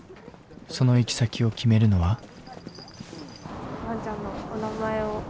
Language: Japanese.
その行き先を決めるのは？